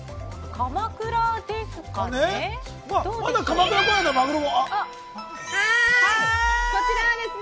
鎌倉ですかね。